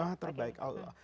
rahmat terbaik allah